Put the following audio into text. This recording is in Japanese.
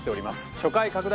初回拡大